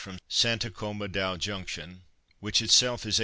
from Santa Comba Dao Junction, which itself is 88m.